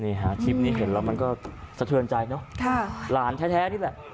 คลิปนี้เห็นแล้วมันก็สะเทือนใจเนอะค่ะหลานแท้นี่แหละ